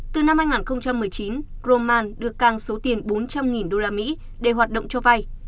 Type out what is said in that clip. từ năm hai nghìn một mươi chín roman đưa cang số tiền bốn trăm linh usd để hoạt động cho vay